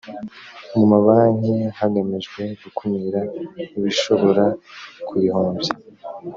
mu mabanki hagamijwe gukumira ibishobora kuyihombya